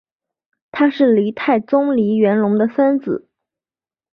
他是黎太宗黎元龙的三子。